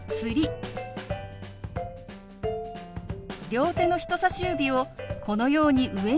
両手の人さし指をこのように上に振り上げます。